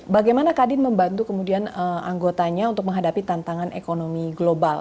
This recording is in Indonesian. bagaimana kadin membantu kemudian anggotanya untuk menghadapi tantangan ekonomi global